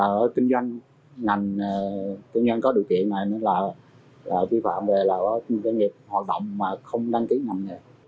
điều kiện là kinh doanh có điều kiện này là vi phạm về doanh nghiệp hoạt động mà không đăng ký ngành nghề